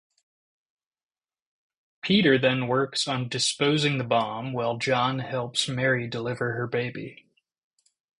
Peter then works on disposing the bomb while John helps Mary deliver her baby.